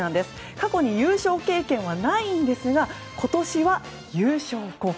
過去に優勝経験はないんですが今年は、優勝候補。